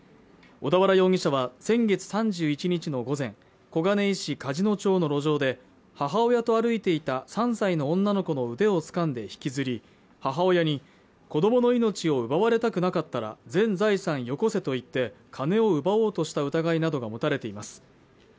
小田原容疑者は先月３１日の午前小金井市梶野町の路上で母親と歩いていた３歳の女の子の腕をつかんで引きずり母親に子供の命を奪われたくなかったら全財産よこせと言って金を奪おうとした疑いなどが持たれています